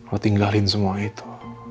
lo tinggalin semua itu